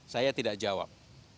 saya tidak jawab